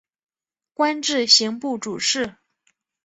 官至刑部主事。